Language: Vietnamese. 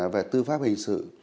về tư pháp hình sự